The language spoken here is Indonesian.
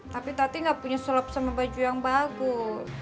tapi tati gak punya slob sama baju yang bagus